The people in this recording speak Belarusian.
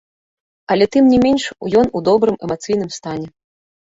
Але тым не менш ён у добрым эмацыйным стане.